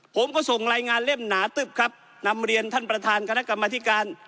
ผมก็ส่งรายงานเล่มหนาตึ๊บครับนำเรียนท่านประธานคณะกรรมธิการ